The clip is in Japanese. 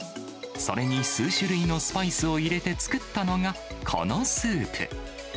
それに数種類のスパイスを入れて作ったのが、このスープ。